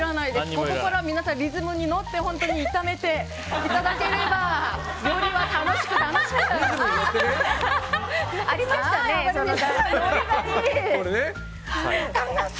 ここから皆さんリズムに乗って本当に炒めていただければ料理は楽しく、楽しく！ありましたね、そのダンス。